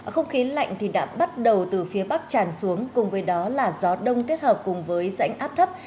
không khí lạnh đã bắt đầu từ phía bắc tràn xuống cùng với đó là gió đông kết hợp cùng với rãnh áp thấp